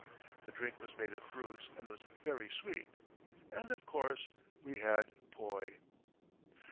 The drink was made of fruits and was very sweet. And, of course, we had poi.